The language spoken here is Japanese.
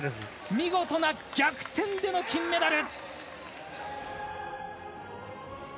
見事な逆転での金メダル。